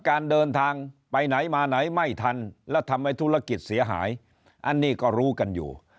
การเดินทางไปไหนมาไหนไม่ทันและทำให้ธุรกิจเสียหายอันนี้ก็รู้กันอยู่